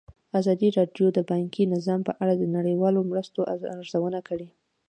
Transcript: ازادي راډیو د بانکي نظام په اړه د نړیوالو مرستو ارزونه کړې.